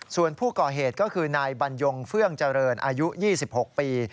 ส่วนผู้ก่อเหตุก็คือนายบรรยงเฟื่องเจริญอายุ๒๖ปี